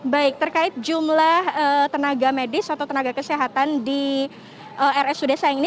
baik terkait jumlah tenaga medis atau tenaga kesehatan di rsu desa yang ini